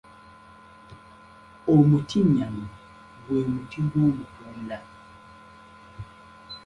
Omutinnyama gwe muti gw'omutugunda.